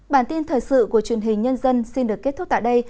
bản tin thời sự của truyền hình nhân dân xin được kết thúc tại đây